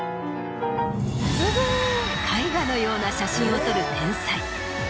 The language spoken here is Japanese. すごい！絵画のような写真を撮る天才。